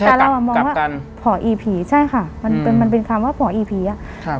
แต่เราอ่ะมองว่าผอีผีใช่ค่ะมันเป็นมันเป็นคำว่าผอีผีอ่ะครับ